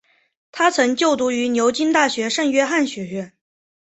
他曾就读于牛津大学圣约翰学院。